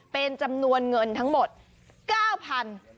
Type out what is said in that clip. เป็นจำนวนเงินทั้งหมด๙๐๐บาท